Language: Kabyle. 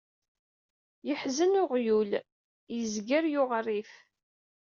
Yeḥzen uɣyul, azger yuɣ rrif.